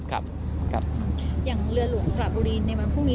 อย่างเรือหลวงกระบุรีในวันพรุ่งนี้